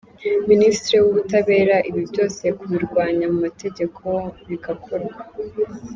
Minisitiri w’ubutabera, ibi byose kubirwanya mu mategeko, bigakorwa.